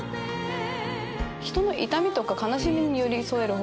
人の痛みとか悲しみに寄り添える